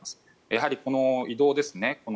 やはり、移動ですね